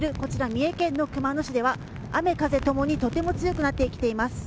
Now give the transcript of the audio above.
三重県の熊野市では雨風共にとても強くなってきています。